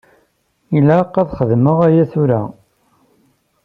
Ilaq ad xedmeɣ aya tura.